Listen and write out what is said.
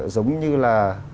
giống như là